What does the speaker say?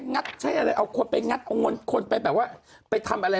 ัดใช้อะไรเอาคนไปงัดเอาเงินคนไปแบบว่าไปทำอะไร